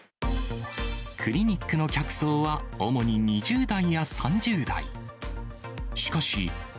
クリニックの客層は主に２０代や３０代。